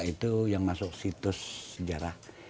itu yang masuk situs sejarah